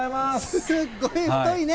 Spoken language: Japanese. すっごい太いね。